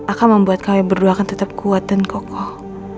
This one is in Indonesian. akan membuat kami berdua akan tetap kuat dan kokoh